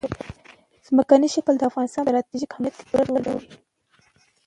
ځمکنی شکل د افغانستان په ستراتیژیک اهمیت کې پوره رول لري.